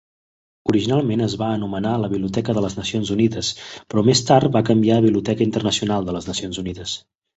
Originalment es va anomenar la Biblioteca de les Nacions Unides, però més tard va canviar a Biblioteca Internacional de les Nacions Unides.